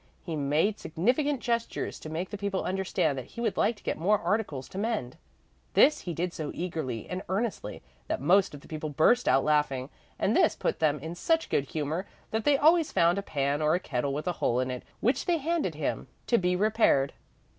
He made significant gestures, to make the people understand that he would like to get more articles to mend. This he did so eagerly and earnestly that most of the people burst out laughing, and this put them in such good humor that they always found a pan or a kettle with a hole in it which they handed him to be repaired.